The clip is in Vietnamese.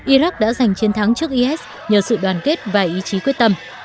iraq đã giành chiến thắng trước is nhờ sự đoàn kết và ý chí quyết tâm